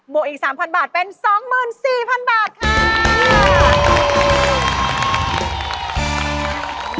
วกอีก๓๐๐บาทเป็น๒๔๐๐๐บาทค่ะ